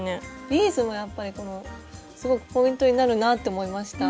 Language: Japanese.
ビーズもやっぱりすごくポイントになるなって思いました。